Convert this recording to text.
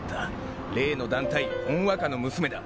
例の団体ほんわかの娘だ。